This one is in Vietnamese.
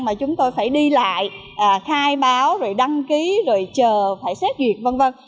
mà chúng tôi phải đi lại khai báo rồi đăng ký rồi chờ phải xét duyệt vân vân